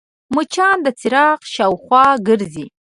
مچان د څراغ شاوخوا ګرځي